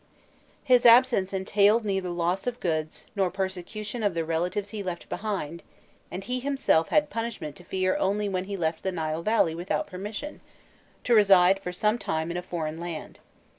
His absence entailed neither loss of goods, nor persecution of the relatives he left behind, and he himself had punishment to fear only when he left the Nile Valley without permission, to reside for some time in a foreign land.